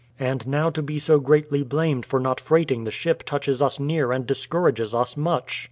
And now to be so greatly blamed for not freighting the ship touches us near and discourages us much.